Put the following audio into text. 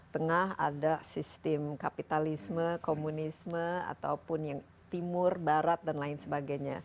tengah ada sistem kapitalisme komunisme ataupun yang timur barat dan lain sebagainya